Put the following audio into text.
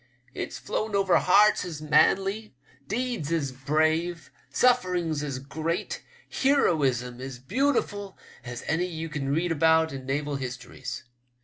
It's flown over hearts as manly, deeds as brave, sufferings as great, heroism as beautiful as any ye can read about in naval histories.